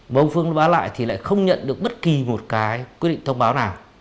mà ông phương ba lạ thì lại không nhận được bất kỳ một cái quyết định thông báo nào